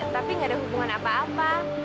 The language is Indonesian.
tapi gak ada hubungan apa apa